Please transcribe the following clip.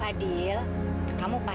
jaringan mouth ya ratu